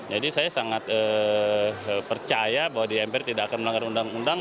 jadi saya sangat percaya bahwa di mpr tidak akan melanggar undang undang